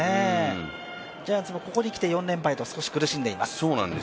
ジャイアンツもここに来て４連敗と少し苦しんでいます。